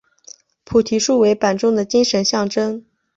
菩提树为板中的精神象征。